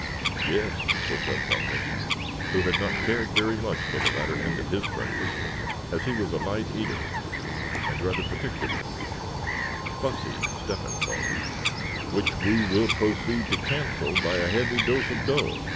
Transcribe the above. "Yes," spoke up Bumpus, who had not cared very much for the latter end of his breakfast, as he was a light eater, and rather particular, "fussy" Step hen called it, "which we will proceed to cancel by a heavy dose of dough.